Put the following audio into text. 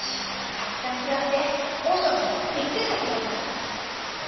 たくさんひろっておしょうさまをびっくりさせてやるぞ！」。